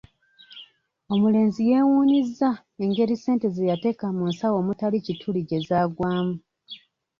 Omulenzi yeewuunyizza engeri ssente ze yateeka mu nsawo omutali kituli gye zaagwamu.